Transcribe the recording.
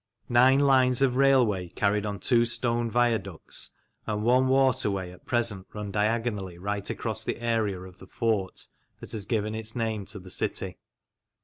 Nine lines of railway, carried on two stone viaducts, and one waterway at present run diagonally right across the area of the fort that has given its name to the city.